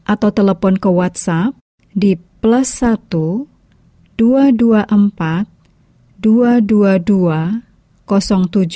atau telepon ke whatsapp di plus satu dua ratus dua puluh empat dua ratus dua puluh dua tujuh ratus tujuh puluh tujuh